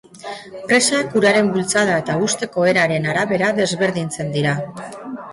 Presak uraren bultzada eta husteko eraren arabera desberdintzen dira.